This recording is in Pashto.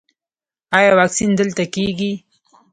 ایا واکسین دلته کیږي؟